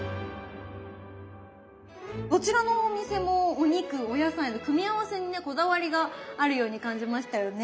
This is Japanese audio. どちらのお店もお肉お野菜の組み合わせにねこだわりがあるように感じましたよね。